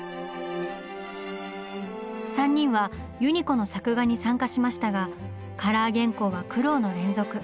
３人は「ユニコ」の作画に参加しましたがカラー原稿は苦労の連続。